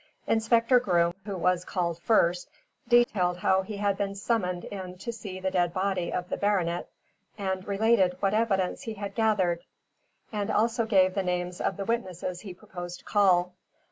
Inspector Groom, who was called first, detailed how he had been summoned in to see the dead body of the baronet, and related what evidence he had gathered, and gave also the names of the witnesses he proposed to call.